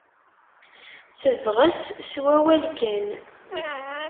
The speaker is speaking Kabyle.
Tebɣes s wawal kan.